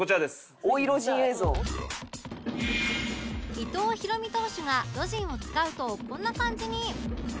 伊藤大投手がロジンを使うとこんな感じに